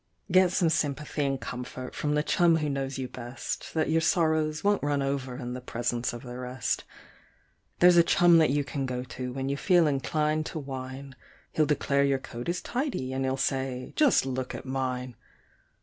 Get some sympathy and comfort from the chum who knows you best, Then your sorrows won't run over in the presence of the rest ; There's a chum that you can go to when you feel inclined to whine, He'll declare your coat is tidy, and he'll say : "Just look at mine